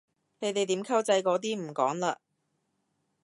你哋點溝仔嗰啲唔講嘞？